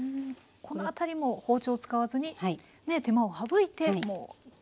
この辺りも包丁を使わずに手間を省いて焼いていくと。